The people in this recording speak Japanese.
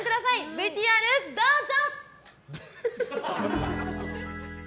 ＶＴＲどうぞ！